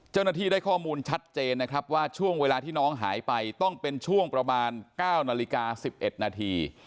เจ้าหน้าที่ได้ข้อมูลชัดเจนนะครับว่าช่วงเวลาที่น้องหายไปต้องเป็นช่วงประมาณ๙นาฬิกา๑๑นาที